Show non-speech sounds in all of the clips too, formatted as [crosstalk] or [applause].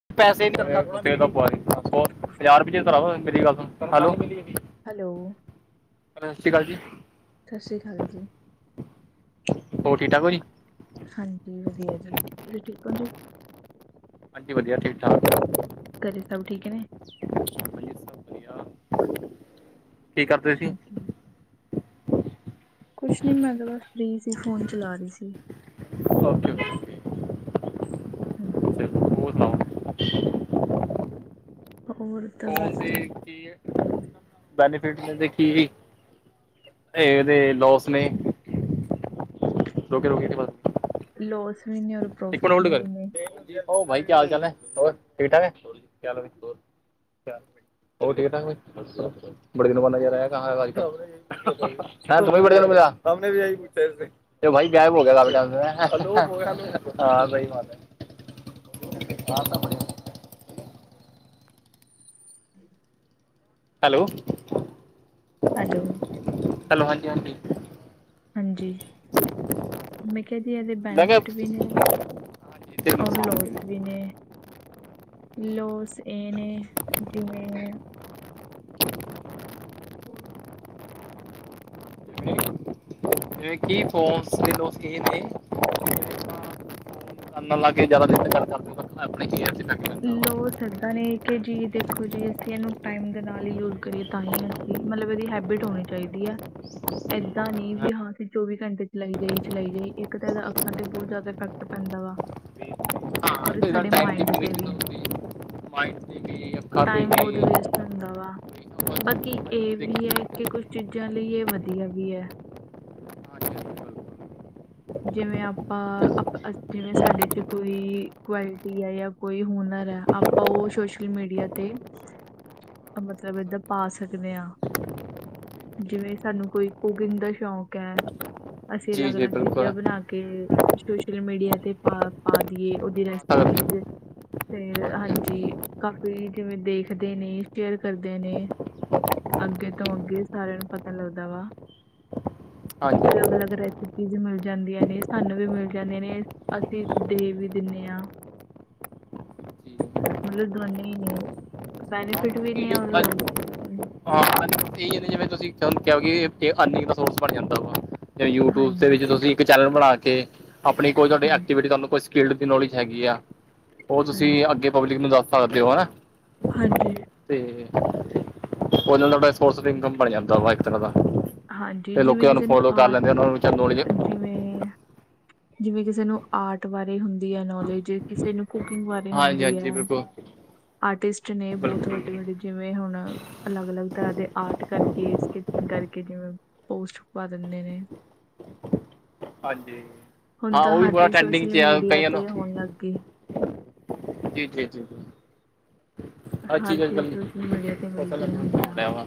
[unintelligible] Hello. Hello. ਸਤਿ ਸ਼੍ਰੀ ਅਕਾਲ ਜੀ। ਸਤਿ ਸ਼੍ਰੀ ਅਕਾਲ ਜੀ। ਹੋਰ ਠੀਕ-ਠਾਕ ਹੋ ਜੀ। ਹਾਂਜੀ, ਵਧੀਆ ਜੀ ਤੁਸੀ ਠੀਕ ਹੋ ਜੀ। ਹਾਂਜੀ, ਵਧੀਆ ਠੀਕ-ਠਾਕ। ਘਰੇ ਸਭ ਠੀਕ ਨੇ? ਕੀ ਕਰਦੇ ਸੀ? ਹਾਂਜੀ, ਕੁਛ ਨੀ ਮੈਂ ਤਾਂ ਬਸ ਫਰੀ ਸੀ, ਫੋਨ ਚਲਾ ਰਹੀ ਸੀ। ਓਕੇ-ਓਕੇ। ਹਾਂਜੀ। ਸੁਣਾਓ ਹੋਰ ਤਾਂ ਬਸ ਠੀਕ ਐ। ਬੈਨੀਫਿਟ ਨੇ ਦੇਖੀ, ਇਹਦੇ ਲੋਸ ਨੇ ਰੋਕੇ-ਰੋਕੇ, ਬਸ ਲੋਸ ਵੀ ਨੇ ਔਰ ਪ੍ਰੋਫਿਟ ਵੀ ਨੇ। [unintelligible] ਉਹ ਠੀਕ-ਠਾਕ ਬਈ, ਬੜੇ ਦਿਨ ਬੰਦਾ ਅੱਜ [unintelligible] [unintelligible] ਹਾਂ, ਸਹੀ ਬਾਤ ਐ। [inaudible] ਹੈਲੋ। ਹੈਲੋ। ਹੈਲੋ, ਹਾਂਜੀ-ਹਾਂਜੀ। ਹਾਂਜੀ। ਮੈਂ ਕਿਹਾ ਇਹਦੇ ਮੈਂ ਕਿਹਾ ਬੈਨੀਫਿਟ ਵੀ ਨੇ, ਔਰ ਲੋਸ ਵੀ ਲੋਸ ਵੀ ਨੇ, ਲੋਸ ਇਹ ਨੇ, ਜਿਵੇਂ ਹੋਰ, ਜਿਵੇਂ- ਜਿਵੇਂ ਕਿ ਫੋਨ [unintelligible] [unintelligible] ਲੋ ਸਕਦਾ ਨੇ ਕਿ ਜੀ ਦੇਖੋ ਜੀ ਅਸੀਂ ਇਹਨੂੰ ਟਾਈਮ ਦੇ ਨਾਲ ਹੀ ਯੂਜ ਕਰੀਏ ਤਾਂ ਹੀ ਅਸੀ ਮਤਲਬ ਇਹਦੀ ਹੈਬਿਟ ਹੋਣੀ ਚਾਹੀਦੀ ਐ। ਏਦਾਂ ਨਹੀਂ ਵੀ ਹਾਂ, ਅਸੀਂ ਚੌਵੀ ਘੰਟੇ ਚਲਾਈ ਜਾਈ ਚਲਾਈ ਜਾਈ ਇੱਕ ਤਾਂ ਇਹਦਾ ਅੱਖਾਂ ਤੇ ਬਹੁਤ ਜ਼ਿਆਦਾ ਇਫੈ ਫੈਕਟ ਪੈਂਦਾ ਵਾ। ਤੇ [inaudible] ਔਰ ਇਹਦਾ ਸਾਡੇ ਟਾਈਮ ਦੀ ਮਾਇੰਡ ਤੇ ਵਿੱਚ ਵੀ ਹੁੰਦੀ ਮਾਈਂਡ ਤੇ ਵੀ ਅੱਖਾਂ ਤੇ ਟਾਈਮ ਵੀ ਬਹੁਤ ਵੇਸਟ ਹੁੰਦਾ ਵਾ, ਬਾਕੀ ਦੇਖੋ ਇਹ ਵੀ ਐ ਦੇਖੀ ਕਿ ਕੁਛ ਚੀਜ਼ਾਂ ਲਈ ਇਹ ਵਧੀਆ ਵੀ ਏ। ਹਾਂਜੀ ਹਾਂਜੀ, ਜਿਵੇਂ ਬਿਲਕੁਲ ਸੋਰਸ ਆਪਾਂ ਜਿਵੇਂ ਸਾਡੇ ਚ ਕੋਈ ਕੁਆਲਿਟੀ ਆ ਜਾਂ, ਕੋਈ ਹੁਨਰ ਹੈ ਆਪਾਂ ਉਹ ਸੋਸ਼ਲ ਮੀਡੀਆ ਤੇ [inaudible] ਮਤਲਬ ਏਦਾਂ ਆਫ ਪਾ ਇਨਕਮ ਸਕਦੇ ਹਾਂਜੀ ਹਾਂ ਜਿਵੇਂ ਸਾਨੂੰ ਕੋਈ ਕੁਕਿੰਗ ਦਾ ਸ਼ੌਂਕ ਹੈ ਅਸੀਂ ਜੀ ਅਲੱਗ ਜੀ ਅਲੱਗ ਬਿਲਕੁਲ ਬਣਾ ਕੇ ਸੋਸ਼ਲ ਮੀਡੀਆ ਤੇ ਪਾ ਦੀਏ ਉਹਦੀ ਪਾਸ ਸਕਦੇ ਹੋ। ਰੈਸਪੀ ਫਿਰ ਹਾਂਜੀ ਕਾਫੀ ਜਿਵੇਂ ਦੇਖਦੇ ਨੇ ਸ਼ੇਅਰ ਕਰਦੇ ਨੇ ਅੱਗੇ ਜੀ ਕਿ ਤੋਂ ਯੂ- ਅੱਗੇ ਸਾਰਿਆਂ ਨੂੰ ਪਤਾ ਲੱਗਦਾ ਵਾ ਅਲੱਗ ਅਲੱਗ ਰੈਸਿਪੀ ਚੀਜ਼ ਮਿਲ ਜਾਂਦੀਆਂ ਨੇ ਸਾਨੂੰ ਵੀ ਮਿਲ ਜਾਂਦੀਆਂ ਨੇ ਅਸੀਂ ਦੇ ਵੀ ਦਿੰਦੇ ਹਾਂ ਅੱਜ- ਮਤਲਬ ਦੋਨੇ ਹੀ ਨੇ ਬੈਨੀਫਿਟ ਵੀ ਨੇ ਔਰ ਹਾਂ ਹਾਂਜੀ ਤੁਸੀਂ ਅਰਨਿੰਗ ਦਾ ਸੋਰਸ ਬਣ ਜਾਂਦਾ ਵਾ ਜਿਵੇ ਯੂਟਿਊਬ ਦੇ ਹਾਂਜੀ ਵਿੱਚ ਤੁਸੀਂ ਚੈਨਲ ਬਣਾ ਕੇ ਆਪਣੀ ਕੋਈ ਤੁਹਾਡੀ ਹਾਂਜੀ ਐਕਟੀਵਿਟੀ ਤੁਹਾਨੂੰ ਕੋਈ ਸਕਿਡ ਦੀ ਨੌਲੇਜ ਹੈਗੀ ਆ ਉਹ ਤੁਸੀਂ ਹਾਂਜੀ ਅੱਗੇ ਪਬਲਿਕ ਨੂੰੈ ਦੱਸ ਸਕਦੇ ਹੋ ਹਨਾ ਹਾਂਜੀ ਤੇ ਉਹਦੇ ਨਾਲ ਤੁਾ ਸੋਰਸ ਇਨਕਮ ਬਣ ਜਾਂਦਾ ਵਾ ਇੱਕ ਤਰ੍ਹਾਂ ਦਾ ਹਾਂਜੀ ਤੇ ਲੋਕੀ ਜਿਵੇਂ ਸੂੰ ਕਿਸੇ ਨੂੰ ਫੋਲੋ ਕਰ ਆਰਟ ਲੈਂਦੇ ਆ ਉਹ ਨੂੰ ਚਦੋ ਜੇ ਜਿਵੇਂ ਜਿਵੇਂ ਕਿਸੇ ਨੂੰ ਆਰਟ ਬਾਰੇ ਹੁੰਦੀ ਹੈ ਨੌਲੇਜ ਕਿਸੇ ਨੂੰ ਕੁਕਿੰਗ ਬਾਰੇ ਹਾਂਜੀ ਹੁੰਦੀ ਹਾਂਜੀ ਹੈ ਬਿਲਕੁਲ ਆਰਟਿਸਟ ਨੇ ਬਹੁਤ ਬਿਲਕੁਲ ਵੱਡੇ ਜੀ। ਵੱਡੇ ਜਿਵੇਂ ਹੁਣ ਅਲੱਗ ਅਲੱਗ ਤਰ੍ਹਾਂ ਦੇ ਆਰਟ ਕਰਕੇ ਕਰ ਕੇ ਜਿਵੇਂ ਪੋਸਟ ਪਾ ਦਿੰਦੇ ਨੇ ਹਾਂਜੀ ਹਾਂ ਉਹ ਵੀ ਬਰਾ ਟੈਂਡਿੰਗ ਚ ਆ ਕਈਆਂ ਨੂੰ ਲੱਗਗੇ ਜੀ ਜੀ ਜੀ ਹਰ ਚੀਜ਼ ਸੋਸ਼ਲ ਮੀਡੀਆ ਤੇ ਸੋਸ਼ਲ ਮਿਲਦੀਆਂ ਨੈਟਵਰਕ ਹੋ ਹੁੰਦਾ ਰਿਹਾ ਵਾ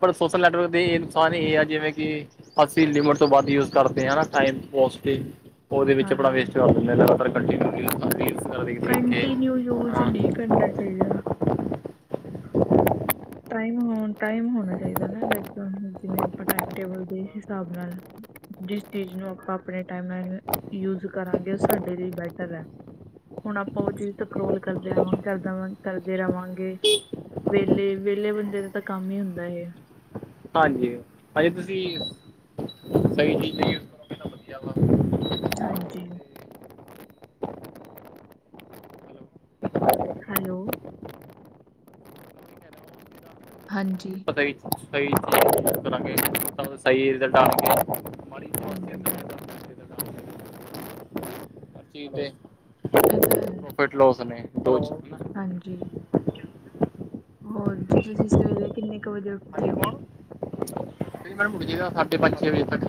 ਪਰ ਸੋਸ਼ਲ ਨੈਟਵਰਕ ਦੇ ਇਹ ਨੁਕਸਾਨ ਇਹ ਆ ਜਿਵੇਂ ਕਿ ਅਸੀਂ ਲਿਮਿਟ ਤੋਂ ਵੱਧ ਯੂਜ ਕਰਦੇ ਹਾ ਟਾਈਮ ਪਾਸ ਤੇ ਉਹਦੇ ਵਿੱਚ ਹਾਂ ਆਪਣਾ ਵੇਸਟ ਕਰ ਦਿੰਦੇ ਦੇਖ ਕੇ ਕੰਟੀਨਿਊ ਯੂਜ਼ ਹ ਨਹੀਂ ਕਰਨਾ ਚਾਈਦਾ [inaudible] ਟਾਈਮ ਟਾਈਮ ਹੋਣਾ ਚਾਹੀਦਾ ਨਾ ਜਿਵੇਂ ਆਪਾਂ ਟਾਈਮ ਟੇਬਲ ਦੇ ਹਿਸਾਬ ਨਾਲ ਜਿਸ ਚੀਜ਼ ਨੂੰ ਆਪਾਂ ਆਪਣੇ ਟਾਈਮ ਯੂਜ ਕਰਾਂਗੇ ਉਹ ਸਾਡੇ ਲਈ ਬੈਟਰ ਹੈ ਹੁਣ ਆਪਾਂ ਉਹ ਚੀਜ਼ ਤਰੋਲ ਕਰਦੇ ਰਵਾਂਗੇ ਕਰਾਂ ਕਰਦੇ ਰਹਾਂਗੇ ਵਿਹਲੇ ਵਿਹਲੇ ਬੰਦੇ ਦਾ ਤਾਂ ਕੰਮ ਹੀ ਹੁੰਦਾ ਹੈ ਹਾਂਜੀ ਹਾਂਜੀ ਤੁਸੀਂ ਸਹੀ ਚੀਜ਼ ਹ ਕਿ ਵਧੀਆ ਵਾ [unintelligible] ਹਾਂਜੀ ਹੈਲੋ ਮਤਲਬ ਹਾਂਜੀ ਸਹੀ ਕਰਾਂਗੇ ਸਹੀ ਰਿਜ਼ਲਟ ਆਉਗੇ ਹਾਂਜੀ ਹਾਂਜੀ [unintelligible] ਇਹ ਤਾਂ ਹੈ ਫੈਟ ਲੋਸ ਨੇ [unintelligible] ਹਾਂਜੀ ਹੋਰ ਜੀ ਤੁਸੀਂ ਸਵੇਰੇ ਕਿੰਨੇ ਕੁ ਵਜੇ ਉੱਠਦੇ ਹੋ ਮੈਮ ਉੱਠ ਜਾਈਦਾ ਸਾਢੇ ਪੰਜ ਛੇ ਵਜੇ ਤੱਕ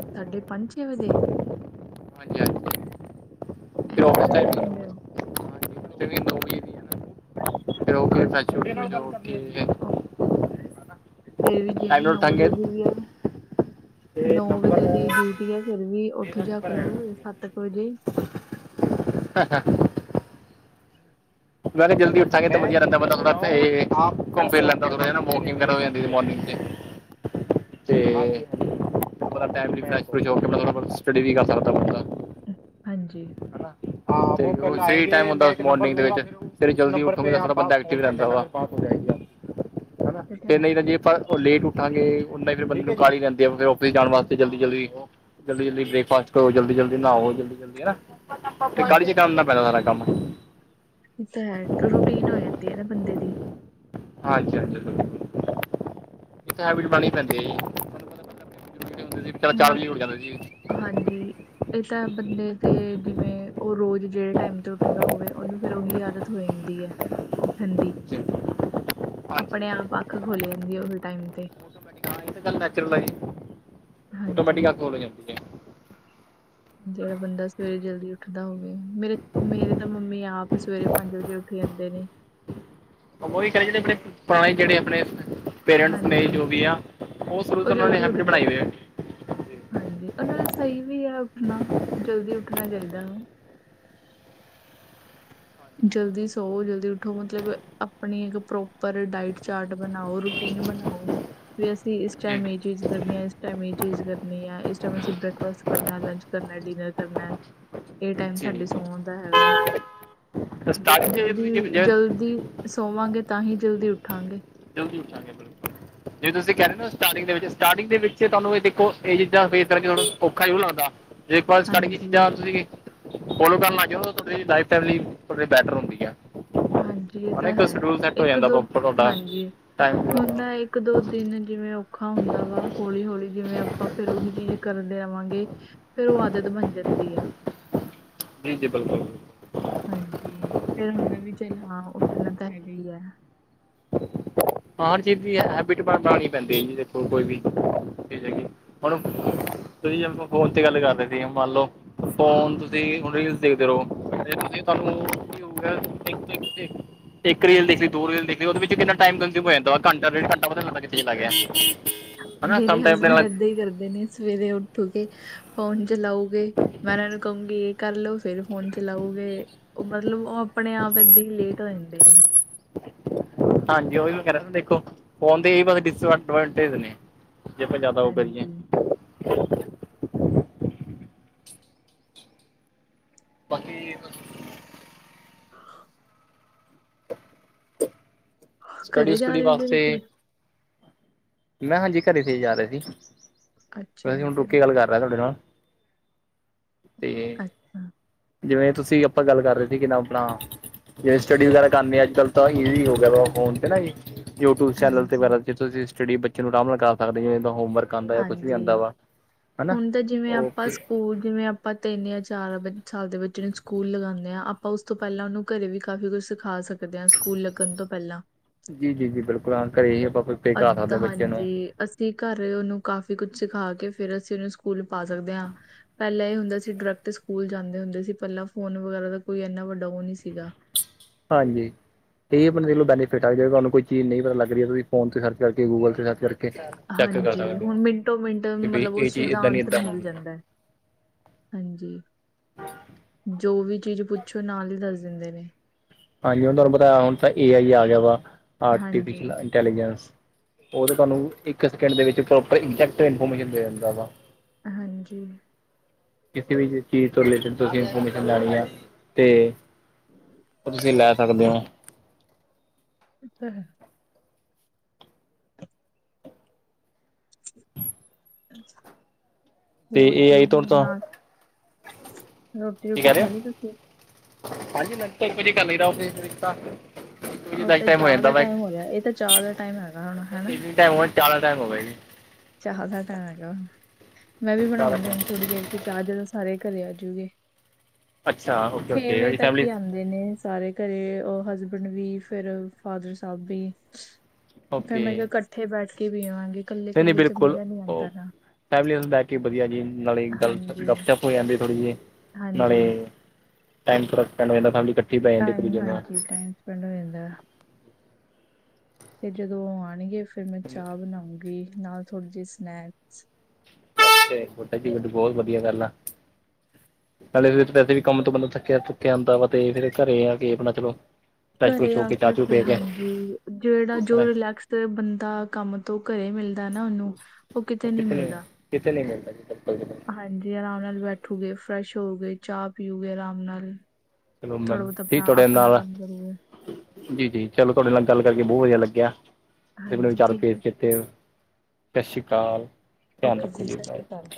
ਸਾਡੇ ਪੰਜ ਛੇ ਵਜੇ ਹਾਂਜੀ ਹਾਂਜੀ ਇੰਨੀ ਜਲਦੀ ਉਠ ਜਾਂਦੇ ਹੋ ਹਾਂ [unintelligible] ਅੱਛਾ ਜੀ। ਕਿ ਟਾਈਮ ਫੇਰ ਵੀ ਜੇਵੀ ਨਾਲ ਨਵੋ ਉਠਾਂਗੇ ਦੇ ਦੀ ਵੀ ਆ। ਤੇ ਨੌ ਨੰਬਰ ਵਜੇ ਦੀ ਡਿਊਟੀ ਹੈ ਫੇਰ ਵੀ ਉੱਠ ਮੇਰਾ ਜਾ ਨੰਬਰ ਹੈਗਾ ਕਰੋ। ਸੱਤ ਕੁ ਵਜੇ। ਹਾ ਹਾ ਮੈਂ ਤੇ ਜਲਦੀ ਉੱਠਾਂਗੇ ਤੇ ਮੀਆ ਰਹਿੰਦਾ ਬੰਦਾ [unintelligible] ੜਾ ਘੁੰ ਲੈਂਦਾ ਵੋਕਿੰਗ ਜਾਂਿੰ ਤੇ [unintelligible] ਤੇੈ ਮੈ [unintelligible] ਹੋ ਕੋਈ ਜੋਬ ਤਾਂ [unintelligible] ਸਟੱਡੀ ਵੀ ਕਰ ਸਕਦਾ ਬੰਦਾ। ਹਾਂਜੀ। ਹਨਾ ਤੇ ਫ ਟਾਈਮ ਹੁੰਦਾ। [unintelligible] ਮੋਰਨਿੰਗ ਦੇ ਵਿੱਚ, ਫੇਰ ਜਲਦੀ ਉੱਠਦਾ ਬੰਦਾ ਐਕਟਿਵ ਰਹਿੰਦਾ ਵਾ। ਇਹ ਫੇਰ ਹੈ ਨਹੀਂ ਤਾਂ ਜੇ [unintelligible] ਲੇਟ ਉੱਠਾਂਗੇ। ਉਹਨਾ ਹੀ ਫਿਰ ਬੰਦੇ ਤੋਂ ਕਾਹਲੀ ਹੀ ਰਹਿੰਦੇ ਆ ਫਿਰ ਆਫਿਸ ਜਾਣ ਵਾਸਤੇ ਜਲਦੀ ਜਲਦੀ ਉਹ ਜਲਦੀ- ਜਲਦੀ ਬ੍ਰੇਕਫਾਸਟ ਕਰੋ। ਜਲਦੀ -ਜਲਦੀ ਨਹਾਓ, ਜਲਦੀ -ਜਲਦੀ ਹਨਾ। ਤੇ ਕਾਹਲੀ ਚ ਹਾਂਜੀ ਕਰਨ ਦਾ ਪੈਂਦਾ ਸਾਰਾ ਕੰਮ। ਉਹ ਤਾਂ ਹੈ। ਰੂਟੀਨ ਹੋ ਜਾਂਦੀ ਹੈ ਨਾ ਬੰਦੇ ਦੀ। ਹਾਂਜੀ- ਹਾਂਜੀ ਜੀ। [unintelligible] ਇੱਥੇ ਹੈਬਿਟ ਬਣਾਨੀ ਪੈਂਦੀ ਹੈ ਜੀ। ਸੀ ਪਾਂ [unintelligible] ਹੁਣ ਚਾਰ ਉੜ ਜਾਂਦੇ ਸੀ। ਹਾਂਜੀ। ਇਹ ਤਾਂ ਐ ਬੰਦੇ ਤੇ ਜਿਵੇਂ, ਉਹ ਰੋਜ਼ ਜਿਹੜੇ ਟਾਈਮ ਤੇ ਉੱਠਦਾ ਹੋਵੇ ਉਹਨੂੰ ਫੇਰ ਉਹੀ ਆਦਤ ਹੋ ਜਾਂਦੀ ਹੈ। ਰ [unintelligible] ਠੰਡੀ ਹਾਂਜੀ ਆਪਣੇ ਆਪ ਅੱਖ ਖੋਲ ਦੀ ਹੈ ਉਹੀ ਟਾਈਮ ਤੇ। Natural life. ਹਾਂਜੀ ਓਟੋਮੈਟਿਕ ਅੱਖ ਖੁੱਲ ਜਾਂਦੀ ਹੈ। ਜਿਹੜਾ ਬੰਦਾ ਸਵੇਰੇ ਜਲਦੀ ਉੱਠਦਾ ਹੋਵੇ। ਮੇਰੇ, ਮੇਰੇ ਤਾਂ ਮੰਮੀ ਆਪ ਸਵੇਰੇ ਪੰਜ ਵਜੇ ਉੱਠ ਜਾਂਦੇ ਨੇ। ਉਹੀ ਕਰੇ। ਜਿਹੜੇ ਆਪਣੇ [unintelligible] ਪੁਰਾਣੇ ਜਿਹੜੇ ਆਪਣੇ ਪੇਰੈਂਟਸ ਨੇ ਹਾਂਜੀ ਜੋ ਵੀ ਆ। ਉਹ ਸ਼ੁਰੂ ਤੋਂ ਉਹਨਾਂ ਨੇ ਹੈਬਿਟ ਬਣਾਈ ਹੋਈ ਵੀ ਆ। ਹਾਂਜੀ ਉਹ ਨਾਲ ਸਹੀ ਵੀ ਆ ਉੱਠਣਾ ਜਲਦੀ ਉੱਠਣਾ ਚਾਹੀਦਾ ਵਾ ਜਲਦੀ ਸੌਓ, ਜਲਦੀ ਉੱਠੋ, ਮਤਲਬ ਆਪਣੀ ਇੱਕ [unintelligible] ਪ੍ਰੋਪਰ ਡਾਇਟ ਚਾਰਟ ਬਣਾਓ ਰੂ ਟੀਨ ਬਣਾਓ। ਵੀ ਅਸੀਂ ਇਸ ਜੀ ਟਾਈਮ ਇਹ ਚੀਜ਼ ਕਰਨੀ ਆ। ਇਸ ਟਾਈਮ ਇਹ ਚੀਜ਼ ਕਰਨੀ ਐ। ਇਸ ਟਾਈਮ ਅਸੀਂ ਬ੍ਰੇਕਫਾਸਟ ਕਰਨਾ, ਲੰਚ ਕਰਨਾ, ਡਿਨਰ ਕਰਨਾ। ਇਹ ਟਾਈਮ ਜੀ ਸਾਡੇ ਸੋਣ ਦਾ ਹੈਗਾ। ਦੇਖ ਸਟਾਰਟਿੰਗ ਜੇ ਜਲਦੀ ਤੁਸੀਂ ਜੇ ਜੇ- ਜਲਦੀ ਸੋਵਾਂਗੇ ਤਾਂ ਹੀ ਜਲਦੀ ਉੱਠਾਂਗੇ। ਜਲਦੀ ਉਠਾਂਗੇ ਜਿਵੇਂ ਤੁਸੀਂ ਕਹਿ ਰਹੇ ਹੋ ਨਾ ਸਟਾਰਟਿੰਗ ਦੇ ਵਿੱਚ, ਸਟਾਰਟਿੰਗ ਦੇ ਵਿੱਚ ਤੁਹਾਨੂੰ ਇਹ ਦੇਖੋ, ਇਹ ਚੀਜ਼ਾਂ ਫੇਸ ਕਰਕੇ ਥੋੜਾ ਔਖਾ ਹੀ [unintelligible] ਲੱਗਦਾ। ਦੇਖੋ [unintelligible] ਸੜਕੀਆਂ ਹਾਂਜੀ, ਚੀਜ਼ਾਂ ਤੁਸੀਂ ਫੋਲੋ ਕਰਨ ਲੱਗ ਜਾਓ ਨਾ ਥੋੜੀ ਜੀ ਲਾਈਵ ਟੈਲੀ ਬੈਟਰ ਹੁੰਦੀ ਆ ਹਾਂਜੀ ਇਹ ਹਨਾ ਤਾਂ ਇੱਕ ਹੈ ਸ਼ਡਿਊਲ ਸੈੱਟ ਹੋ ਜਾਂਦਾ ਇੱਕ-ਦੋ ਪ੍ਰੋਪਰ ਤੁਹਾਡਾ ਹਾਂਜੀ ਟਾਈਮ ਹੁੰਦਾ ਇੱਕ ਦੋ ਦਿਨ ਜਿਵੇਂ ਔਖਾ ਹੁੰਦਾ ਵਾ ਹੌਲੀ- ਹੌਲੀ ਜਿਵੇਂ ਆਪਾਂ ਫੇਰ ਉਹੀ ਚੀਜ਼ ਕਰਦੇ [unintelligible] ਰਹਾਂਗੇ। [unintelligible] ਫੇਰ ਉਹ ਆਦਤ ਬਣ ਜਾਂਦੀ ਐ ਜੀ ਜੀ ਬਿਲਕੁਲ। ਹਾਂਜੀ ਫਿਰ ਹੁੰਦਾ ਵੀ ਚੱਲ ਹਾਂ ਉੱਠਣਾ ਤਾਂ ਹੈਗਾ ਹੀ ਹੈ। ਹਰ ਚੀਜ਼ ਦੀ ਹੈਬਿਟ ਬਉਣੀ ਪੈਂਦੀ ਹੈ ਜੀ ਦੇਖੋ, ਕੋਈ ਵੀ ਚੀਜ਼ ਹੈਗੀ ਹੁਣੂੰ [unintelligible] ਤੁਸੀਂ ਆਪਾਂ [unintelligible] ਫੋਨ ਤੇ ਗੱਲ ਕਰ ਰਹੇ ਸੀ ਮੰਨ ਲਓ ਫੋਨ ਤੁਸੀਂ ਰੀਲ ਦੇਖਦੇ ਰਹੋ। ਤੁਹਾਨੂੰ ਊ [unintelligible] ਇੱਕ ਰੇਲ ਦੇਖਲੀ, ਦੋ ਰੀਲ ਦੇਖਲੀ। ਉਹਦੇ ਵਿੱਚ ਕਿੰਨਾ ਟਾਈਮ ਦ ਹੋ ਘੰਟਾ, ਰੇਢ ਘੰਟਾ ਲੱ [unintelligible] [unintelligible] ਮੇਰੇ ਆਪਣੇ ਹਸਬੈਂਡ ਨਾਲ ਏਦਾਂ ਹੀ ਕਰਦੇ ਨੇ ਸਵੇਰੇ ਉ ਤੁਸੀ [unintelligible] ਫੋਨ ਚਲਾਉਗੇ ਮੈਂ ਇਹਨਾਂ ਨੂੰ ਕਹੂੰਗੀ ਇਹ ਕਰਲੋ ਫੇਰ ਫੋਨ ਚਲਾਉਗੇ। ਉਹ ਮਤਲਬ, ਉਹ ਆਪਣੇ ਆਪ ਏਦਾਂ ਹੀ ਲੇਟ ਹੋ ਦੇ ਨੇ। ਹਾਂਜੀ। ਉਹਹੀ ਮੈਂ ਕਿਹਾ -ਦੇਖੋ, ਫੋਨ ਦੇਡਵਟ ਨੇ। [unintelligible] ਜੇ ਆਪਾਂ, ਜ਼ਿਆਦਾ ਔ ਕਰੀਏ। ਹਾਂਜੀ ਬਾਕੀ, ਤੁਸੀ। ਹਾਂ। ਸਟੱਡੀ, ਘਰੇ ਜਾ ਸਟੱਡੀ ਰਹੇ ਹੋ ਜੀ ਵਾਸਤੇ ਤੁਸੀਂ ਮੈਂ ਹਾਂਜੀ ਘਰੇ ਤੇ ਜਾ ਰਹੇ ਸੀ ਅੱਛਾ ਵੈਸੇ ਜੀ ਹੁਣ ਰੁਕੇ ਘਰੇ ਕੇ ਜਾ ਗੱਲ ਕਰ ਤੁਹਾਡੇ ਨਾਲ। ਤੇ। ਅੱਛਾ ਜਿਵੇਂ ਤੁਸੀਂ, ਆਪਾਂ ਗੱਲ ਕਰ ਰਹੇ ਸੀ। ਕਿਦਾਂ ਆਪਣਾ, ਜਿਵੇਂ ਸਟੱਡੀ ਵਗੈਰਾ ਕਰਨੀ। ਅੱਜ ਕੱਲ ਤਾਂ ਈਜ਼ੀ ਹੋ ਗਿਆ। ਵਾ ਫੋਨ ਤੇ ਨਾ ਜੀ। ਯੂਟਿਊਬ ਚੈਨਲ ਤੇ ਹਾਂਜੀ ਵਗੈਰਾ, ਜ ਤੁਸੀਂ ਸਟੱਡੀ ਬੱਚੇ ਨੂੰ, ਆਰਾਮ ਨਾਲ ਕਰ ਸਕਦੇ। ਤੇ, ਹੋਮਵਰਕ। ਆਉਂਦਾ ਜਾਂ ਕੁਛ ਵੀ ਹਾਂਜੀ। ਆਉਂਦਾ ਵਾ ਹਨਾ ਹੁਣ ਤਾਂ, ਜਿਵੇਂ ਉਹ ਆਪਾਂ, ਸਕੂਲ ਜਿਵੇਂ। ਪਤਾ ਹੀ ਨਹੀਂ ਹੈ। ਜਾਂ ਚਾਰ ਸਾਲ ਦੇ, ਬੱਚੇ ਨੂੰ ਸਕੂਲ ਲਗਾਉਂਦੇ ਹਾਂ। ਆਪਾਂ। ਆਪਾਂ ਉਸ ਤੋਂ ਪਹਿਲਾਂ, ਉਹਨੂੰ ਘਰੇ ਵੀ, ਕਾਫ਼ੀ ਕੁਛ ਸਿਖਾ ਸਕਦੇ ਹਾਂ। ਸਕੂਲ ਲੱਗਣ ਤੋਂ ਪਹਿਲਾਂ। ਜੀ, ਜੀ- ਜੀ, ਬਿਲਕੁਲ। ਹਾਂ, ਘਰੇ ਹੀ ਆਪਾਂ ਬਿਲ- ਅੱਧ ਹਾਂਜੀ। ਅਸੀਂ ਘਰ ਉਹਨੂੰ, ਕਾਫ਼ੀ ਕੁਝ ਸਿਖਾ ਕੇ, ਫੇਰ ਅਸੀਂ ਉਹਨੂੰ, ਸਕੂਲ ਪਾ ਸਕਦੇ ਹਾਂ। ਪਹਿਲਾਂ ਇਹ ਹੁੰਦਾ ਸੀ। ਡਾਇਰੈਕਟ ਸਕੂਲ ਜਾਂਦੇ ਹੁੰਦੇ ਸੀ। ਪਹਿਲਾਂ ਫੋਨ ਵਗੈਰਾ ਦਾ, ਕੋਈ ਇੰਨਾ ਵੱਡਾ ਉਹ, ਨਹੀਂ ਸੀਗਾ। ਹਾਂਜੀ। ਤੇ, ਇਹ ਆਪਣੇ ਦੇਖ ਲੋ ਬੈਨੀਫਿਟ ਆ। ਜੇ ਤੁਹਾਨੂੰ ਕੋਈ ਚੀਜ਼ ਨਹੀਂ, ਪਤਾ ਲੱਗ ਰਹੀ ਹਾ। ਤੁਸੀ ਫੋਨ ਤੇ ਸਰਚ ਕਰਕੇ, ਗੂਗਲ ਤੇ ਸਰਚ, ਕਰ, ਚੈੱਕ ਹਾਂਜੀ। ਸਕਦੇ ਹੋ ਹੁਣ ਮਿੰਟੋ- ਮਿੰਟ, ਕਿ ਬਈ ਮਤਲਬ ਇਹ ਉਸ ਚੀਜ਼ ਦਾ, ਇੱਦਾਂ ਨਹੀਂ ਆਨਸਰ ਇੱਦਾਂ ਮਿਲ ਹੋਣੀ ਜਾਂਦਾ ਹੈ। ਹਾਂਜੀ। ਹਮ ਜੋ ਵੀ ਚੀਜ਼ ਪੁੱਛੋ। ਨਾਲ ਹੀ, ਦੱਸ ਦਿੰਦੇ ਨੇ। ਹਾਂਜੀ। ਹੁਣ ਤੁਹਾਨੂੰ ਪਤਾ, ਹੁਣ ਤਾਂ ਏ ਆਈ, ਆ ਗਿਆ ਵਾ। ਹਾਂਜੀ ਆਰਟੀਫਿਲ ਇੰਟੈਲੀਜੈਂਸ। ਉਹ ਤੇ ਤੁਹਾਨੂੰ, ਇੱਕ ਸੈਕਿੰਡ ਦੇ ਵਿੱਚ ਪ੍ਰੋਪਰ, ਐਗਜੈਕਟ, ਇਨਫੋਰਮੇਸ਼ਨ ਦੇ ਦੇਂਦਾ ਵਾ। ਹਾਂਜੀ। ਕਿਸੇ ਵੀ, ਚੀਜ਼ ਤੋਂ ਰਿਲੇਟਿਡ, ਤੁਸੀਂ ਇਨਫੋਰਮੇਸ਼ਨ ਲੈਣੀ ਹੈ। ਤੇ, ਉਹ ਤੁਸੀਂ ਲੈ, ਸਕਦੇ ਹੋ। ਅੱ ਤਾਂ, ਹੈ। ਅੱਛਾ। ਤੇ ਹੋਰ ਏ ਜੀ। ਆਈ ਤੋਂ ਹੁ ਤਾਂ ਨਾਲ ਰੋਟੀ- ਕੀ ਰੂਟੀ, ਕਹਿ ਰਹੇ ਖਾ ਲਈ ਹੋ ਤੁਸੀਂ? ਹਾਂਜੀ। [unintelligible] ਨ ਕੁ ਜੀ ਕਰੀ ਰ ਰਿਕਤਾ ਅ ਤੇ ਚਾਹ ਦਾ, ਟਾਈਮ ਹੋ ਰਿਹਾ। ਇਹ ਤਾਂ ਚਾਹ ਦਾ ਟਾਈਮ ਹੈਗਾ। ਹਨਾ। ਚਾਹ ਦਾ ਟਾਈਮ ਹੋ ਗਿਆ। ਚਾਹ ਦਾ ਟਾਈਮ ਹੈਗਾ। ਮੈਂ ਵੀ, ਚਾਰ ਦਾ ਬਣਾਉਗੀ ਹੁਣ ਟਾਈਮ ਥੋੜੀ ਦੇਰ। ਚਾਹ ਤੇ, ਤਾਂ ਸਾਰੇ ਘਰੇ ਆਜੂਗੇ। ਅੱਛਾ ਓਕੇ ਛੇ ਓਕੇ ਵਜੇ ਤੁਹਾਡੀ ਤੱਕ ਹੀ ਫੈਮਿਲੀ ਆਉਂਦੇ। ਨਹੀਂ- ਨਹੀਂ, ਸਾਰੇ ਘਰੇ। ਉਹ ਹਸਬੈਂਡ ਵੀ ਫੇਰ ਫਾਦਰ ਸਾਹਿਬ ਵੀ। ਫੇਰ ਓਕੇ ਮੈਂ ਕਿਹਾ, ਇਕੱਠੇ ਬੈਠ ਕੇ ਪੀਆਗੇ ਕੱਲੇ- ਕੱਲੇ ਚ, ਮਜ਼ਾ ਨਹੀਂ ਆਉਂਦਾ ਨਾ। ਫੈਮਲੀ ਬੈ ਕੇ, ਵਧੀਆ ਜੀ। ਨਾਲੇ ਹਾਂਜੀ ਗਪਸ਼ਪ ਹੋ ਜਾਂਦੀ ਥੋੜੀ ਜਿਹੀ। ਨਾਲੇ ਹਾਂਜੀ। ਟਾਈਮ ਥੋੜਾ ਸਪੈਂਡ ਹੋ ਜਾਂਦਾ। ਨਾਲ ਫੇਰ। ਬਹਿ ਜਾਂਦੀ ਇੱਕ ਟਾਈਮ ਦੂਜੇ ਹਾਂਜੀ। ਟਾਈਮ ਸਪੈਂਡ ਹੋ ਜਾਂਦਾ। ਤੇ ਜਦੋਂ ਆਉਣਗੇ, ਫੇਰ ਮੈਂ ਚਾਹ ਬਣਾਉਂਗੀ। ਨਾਲ ਥੋੜੀ ਜਿਹੀ ਸਨੈਕਸ। ਬੋਟਾ ਜੀ ਵੱ ਬਹੁਤ, ਵਧੀਆ ਗੱਲ ਆ। ਨਾਲੇ ਫੇਰ ਵੈੇ। ਵੀ ਕੰਮ ਤੋਂ ਬੰਦਾ, ਥੱਕਿਆ- ਥਕਿਆ ਆੁੰਦਾ ਵਾ। ਤੇ ਫੇਰ ਘਰੇ ਆ ਕੇ, ਆਪਣਾ ਚਲੋ। ਫਰੈਸ਼ ਘਰੇ ਫਰੁਸ਼ ਹੋ ਆ ਚਾਹ ਕੇ। ਚੂ ਫੇਰ ਪੀ ਹਾਂਜੀ, ਜਿਹੜਾ ਜੋ ਫਰੈਸ਼ ਰਿਲੈਕਸ। ਤੇ ਬੰਦਾ, ਕੰਮ ਤੋਂ, ਘਰੇ ਮਿਲਦਾ ਨਾ ਉਹਨੂੰ। ਉਹ ਕਿਤੇ ਨਹੀਂ ਕਿਨੀ, ਮਿਲਦਾ ਕਿਤੇਨੀ ਮਿਲ ਜ ਚਪਲ। ਹਾਂਜੀ। ਆਰਾਮ ਨਾਲ ਬੈਠੂਗੇ, ਫਰੈਸ਼ ਹੋਊਗੇ, ਚਾਹ ਪੀਓਗੇ, ਆਰਾਮ ਨਾਲ। ਚਲੋ ਥੋੜਾ ਮੈਮ ਬਹੁਤ ਠੀਕ ਆਪਣਾ, ਤੁਹਾਡੇ ਆਪਣਾ ਨਾਲ ਕੰਮ ਕਰੂਗੇ। ਜੀ- ਜੀ, ਚਲੋ ਤੁਹਾਡੇ ਨਾਲ, ਗੱਲ ਕਰਕੇ ਬਹੁਤ ਵਧੀਆ ਲੱਗਿਆ। ਮੈਨ ਹਾਂਜੀ ਵਿਚਾਰ ਠੀਕ ਭੇਸ ਹੈ ਕੀਤੇ। ਸਤਿ ਸ਼੍ਰੀ ਅਕਾਲ। ਧਿਆਨ ਓਕੇ ਰੱਖੋ ਜੀ। ਸਤਿ ਸ਼੍ਰੀ ਬਾਏ ਅਕਾਲ।